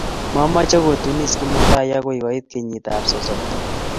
Momoche kotunis Kimutai akoi koit kenyit ab sosomiat